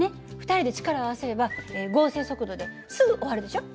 ２人で力を合わせれば合成速度ですぐ終わるでしょ？